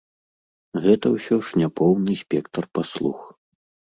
Гэта ўсё ж не поўны спектр паслуг!